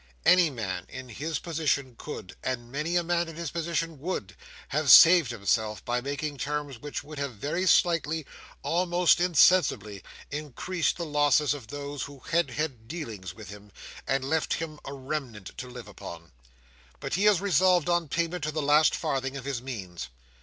Any man in his position could, and many a man in his position would, have saved himself, by making terms which would have very slightly, almost insensibly, increased the losses of those who had had dealings with him, and left him a remnant to live upon. But he is resolved on payment to the last farthing of his means.